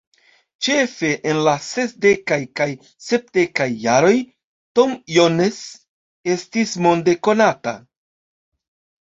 Ĉefe en la sesdekaj kaj sepdekaj jaroj Tom Jones estis monde konata.